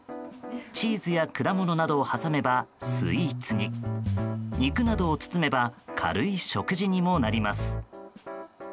チーズや果物などを挟めばスイーツに肉などを包めば軽い食事にもなります。